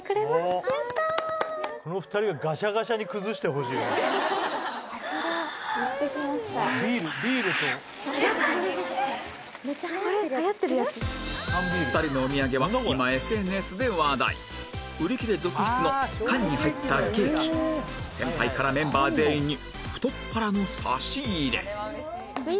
２人のお土産は今ＳＮＳで話題売り切れ続出の缶に入ったケーキ先輩からメンバー全員に太っ腹の差し入れイエイ！